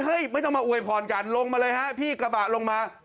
ไม่ต้องมาอวยพรกันลงมาเลยฮะพี่กระบะลงมา